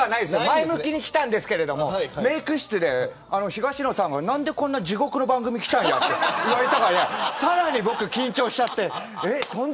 前向きに来たんですけどメーク室で東野さんが何でこんな地獄の番組来たんやって言われたからさらに緊張しちゃって。